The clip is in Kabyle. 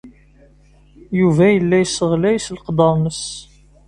Yuba yella yesseɣlay s leqder-nnes.